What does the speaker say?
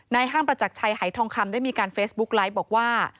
ห้างประจักรชัยหายทองคำได้มีการเฟซบุ๊กไลฟ์บอกว่า